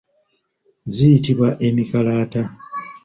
Ziyitibwa emikalaata.